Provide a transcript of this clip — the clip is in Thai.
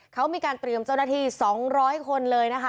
เขามีการเตรียมเจ้าหน้าที่๒๐๐คนเลยนะคะ